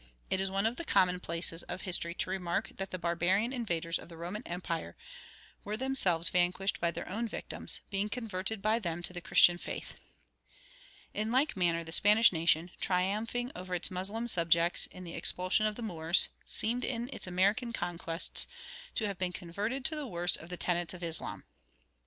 It is one of the commonplaces of history to remark that the barbarian invaders of the Roman empire were themselves vanquished by their own victims, being converted by them to the Christian faith. In like manner the Spanish nation, triumphing over its Moslem subjects in the expulsion of the Moors, seemed in its American conquests to have been converted to the worst of the tenets of Islam.